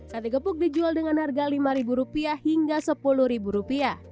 sate gepuk dijual dengan harga lima rupiah hingga sepuluh rupiah